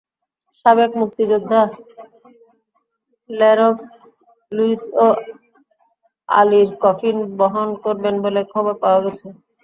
সাবেক মুষ্টিযোদ্ধা লেনক্স লুইসও আলীর কফিন বহন করবেন বলে খবর পাওয়া গেছে।